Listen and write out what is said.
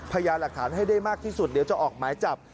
พยายามหลักฐานให้ได้มากที่สุดเดี๋ยวจะออกหมายจับ